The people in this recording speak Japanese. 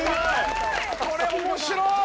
これ面白い。